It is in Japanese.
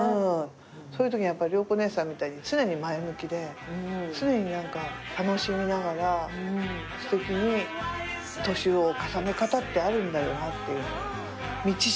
そういうとき良子姉さんみたいに常に前向きで常に楽しみながらすてきに年を重ね方ってあるんだよなっていうのを道しるべ的にね。